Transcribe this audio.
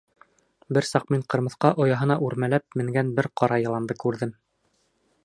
Бер саҡ мин ҡырмыҫҡа ояһына үрмәләп менгән бер ҡара йыланды күрҙем.